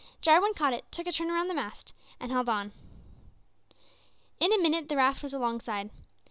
Jarwin caught it, took a turn round the mast, and held on. In a minute the raft was alongside.